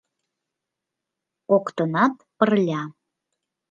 Коктынат пырля.